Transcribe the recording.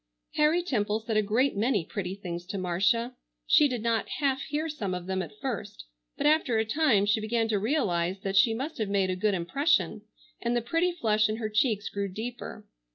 Harry Temple said a great many pretty things to Marcia. She did not half hear some of them at first, but after a time she began to realize that she must have made a good impression, and the pretty flush in her cheeks grew deeper.